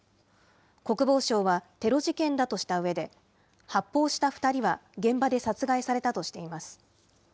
国防省はテロ事件だとしたうえで、発砲した２人は現場で殺害されたとしています。